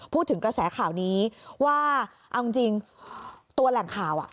พูดถึงกระแสข่านี้ว่าตัวแหล่งข่าวอ่ะ